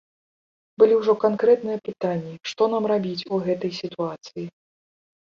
Былі ўжо канкрэтныя пытанні, што нам рабіць у гэтай сітуацыі.